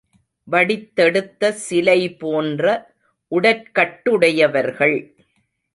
வடித்தெடுத்த சிலை போன்ற உடற்கட்டுடையவர்கள்.